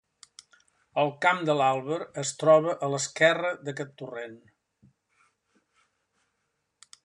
El Camp de l'Àlber es troba a l'esquerra d'aquest torrent.